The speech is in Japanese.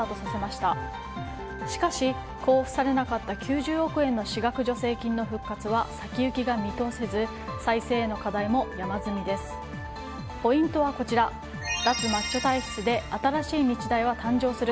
しかし、交付されなかった９０億円の私学助成金の復活は先行きが見通せず再生への課題も山積みです。